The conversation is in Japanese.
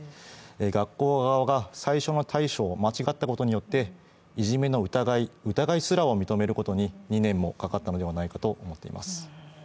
学校側が最初の対処を間違ったことによっていじめの疑いすらを認めることに２年もかかったのだと思います。